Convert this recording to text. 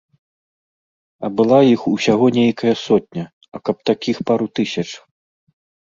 А была іх усяго нейкая сотня, а каб такіх пару тысяч.